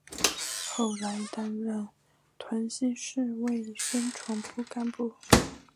后来担任屯溪市委宣传部干部。